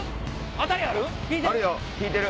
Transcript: あたりある？